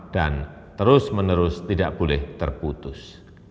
dan terus menerus tidak boleh terputus